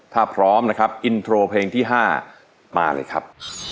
ถ้าพร้อมนะครับอินโทรเพลงที่๕มาเลยครับ